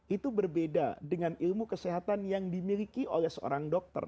itu berbeda dengan ilmu kesehatan yang dimiliki oleh seorang dokter